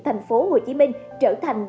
thành phố hồ chí minh trở thành